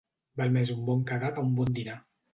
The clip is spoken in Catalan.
Val més un bon cagar que un bon dinar.